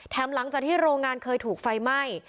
หลังจากที่โรงงานเคยถูกไฟไหม้